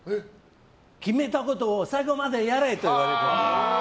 決めたことを最後までやれ！って言われて。